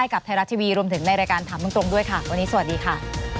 ขอบคุณค่ะ